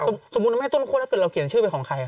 สมมติถ้าไม่ให้ต้นขั้วถ้าเกิดเราเขียนชื่อไปของใคร